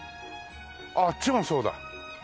あああっちもそうだ。